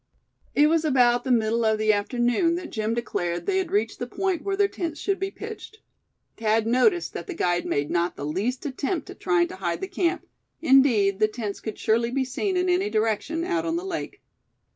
It was about the middle of the afternoon that Jim declared they had reached the point where their tents should be pitched. Thad noticed that the guide made not the least attempt at trying to hide the camp; indeed, the tents could surely be seen in any direction out on the lake.